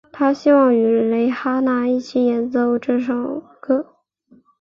她希望与蕾哈娜一起演唱这首歌。